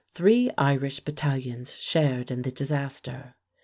Three Irish battalions shared in the disaster.